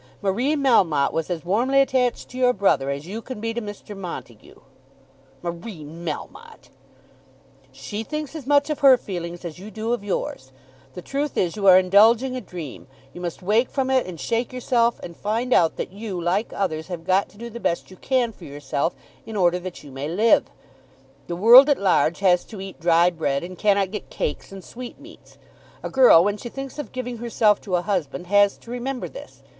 "Marie Melmotte was as warmly attached to your brother as you can be to Mr. Montague." "Marie Melmotte!" "She thinks as much of her feelings as you do of yours. The truth is you are indulging a dream. You must wake from it, and shake yourself, and find out that you, like others, have got to do the best you can for yourself in order that you may live. The world at large has to eat dry bread, and cannot get cakes and sweetmeats. A girl, when she thinks of giving herself to a husband, has to remember this.